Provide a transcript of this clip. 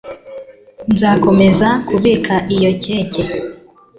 Nzakomeza kubika iyi keke.